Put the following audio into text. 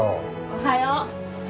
おはよう。